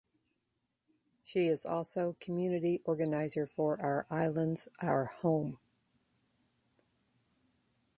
She is also community organizer for Our Islands Our Home.